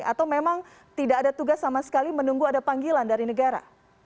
atau memang tidak ada tugas sama sekali menunggu ada panggilan dari negara